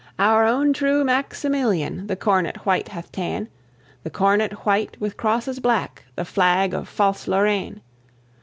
Our own true Maximilian the cornet white hath ta'en, The cornet white with crosses black, the flag of false Lorraine.